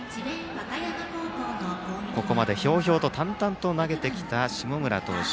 ここまでひょうひょうと淡々と投げてきた下村投手。